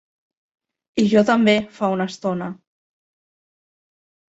I jo també, fa una estona.